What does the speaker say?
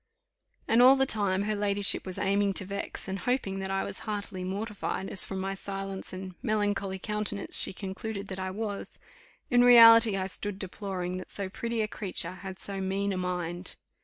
And all the time her ladyship was aiming to vex, and hoping that I was heartily mortified, as from my silence and melancholy countenance she concluded that I was; in reality I stood deploring that so pretty a creature had so mean a mind.